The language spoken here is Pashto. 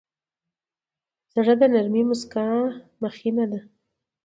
زړه د نرمې موسکا مخینه ده.